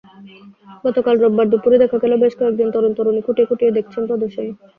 গতকাল রোববার দুপুরে দেখা গেল, বেশ কয়েকজন তরুণ-তরুণী খুঁটিয়ে খুঁটিয়ে দেখছেন প্রদর্শনী।